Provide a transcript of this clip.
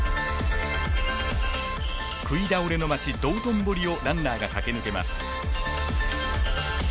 食い倒れの街、道頓堀をランナーが駆け抜けます。